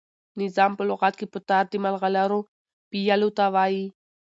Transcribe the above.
نظام په لغت کښي په تار د ملغلرو پېیلو ته وايي.